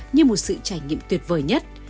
như một sự trải nghiệm tuyệt vời nhất